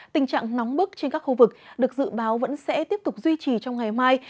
tình trạng nóng bức trên các khu vực được dự báo vẫn sẽ tiếp tục duy trì trong ngày mai